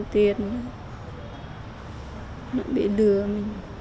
để vượt biên